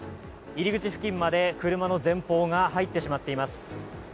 入り口付近まで車の前方が入ってしまっています。